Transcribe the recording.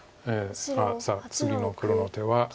さあ次の黒の手は。